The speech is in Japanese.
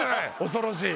恐ろしい！